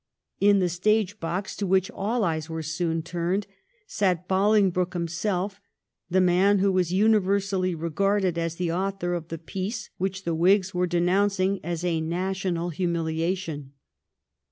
In the stage box, to which all eyes were soon turned, sat Bolingbroke himself — the man who was universally regarded as the author of the peace which the Whigs were denouncing as a national humiliation.